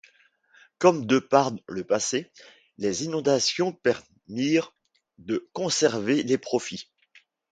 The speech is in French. Comme de par le passé, les innovations permirent de conserver les profits.